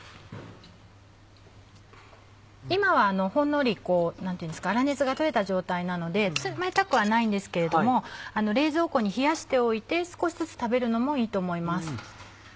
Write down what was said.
今はほんのり粗熱が取れた状態なので冷たくはないんですけれども冷蔵庫に冷やしておいて少しずつ食べるのもいいと思います。